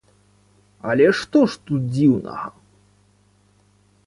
Але што ж тут дзіўнага!?